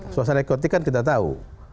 suasana yang keotik kan kita tahu